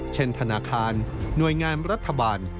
ธนาคารหน่วยงานรัฐบาล